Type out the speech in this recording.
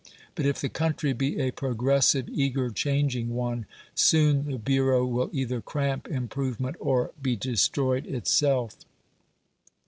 But if the country be a progressive, eager, changing one, soon the bureau will either cramp improvement, or be destroyed itself.